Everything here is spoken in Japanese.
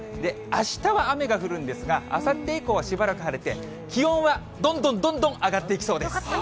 あしたは雨が降るんですが、あさって以降はしばらく晴れて、気温はどんどんどんどん上がっていきそうです。